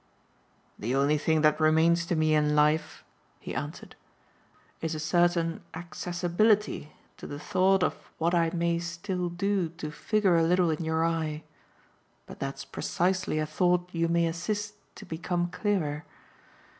"The only thing that remains to me in life," he answered, "is a certain accessibility to the thought of what I may still do to figure a little in your eye; but that's precisely a thought you may assist to become clearer.